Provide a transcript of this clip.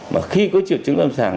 mà khi có triệu chứng âm sàng